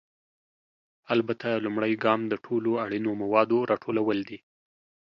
البته، لومړی ګام د ټولو اړینو موادو راټولول دي.